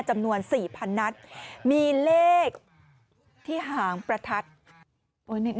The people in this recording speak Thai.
จำนวน๔๐๐๐นัดมีเลขที่หางประทัด